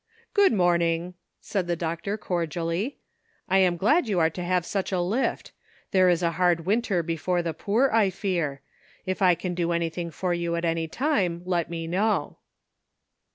"Good morning," said the doctor cordially; " I am glad you are to have such a lift ; there is a hard winter before the poor, I fear. If I can do anything for you at any time let me know."